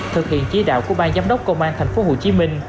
thực hiện chế đạo của ban giám đốc công an tp hcm